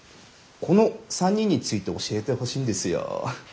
この３人について教えてほしいんですよ。